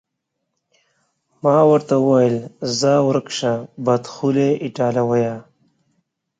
ما ورته وویل: ځه ورک شه، بدخولې ایټالویه.